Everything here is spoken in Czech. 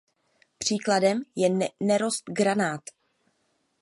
Příkladem je nerost granát.